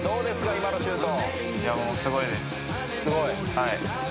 今のシュート。